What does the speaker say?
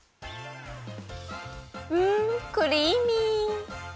うんクリーミー！